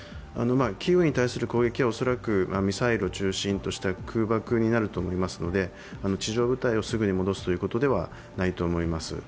キーウに対する攻撃は恐らくミサイルを中心とした空爆になると思いますので地上部隊をすぐに戻すということではないと思います。